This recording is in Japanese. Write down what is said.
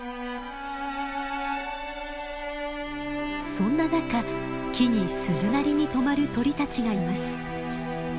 そんな中木に鈴なりにとまる鳥たちがいます。